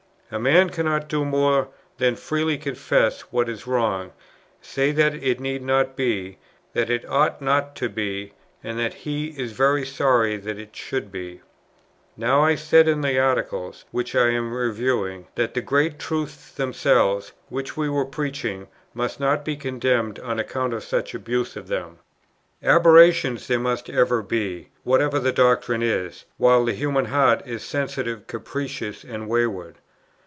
A man cannot do more than freely confess what is wrong, say that it need not be, that it ought not to be, and that he is very sorry that it should be. Now I said in the Article, which I am reviewing, that the great truths themselves, which we were preaching, must not be condemned on account of such abuse of them. "Aberrations there must ever be, whatever the doctrine is, while the human heart is sensitive, capricious, and wayward.